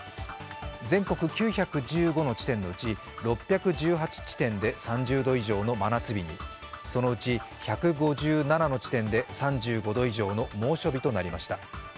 全国９１５の地点のうち６１８地点で３０度以上の真夏日にそのうち１５７の地点で３５度以上の猛暑日となりました。